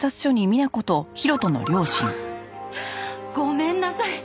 ああごめんなさい。